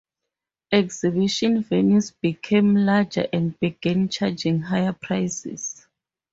Exhibition venues became larger and began charging higher prices.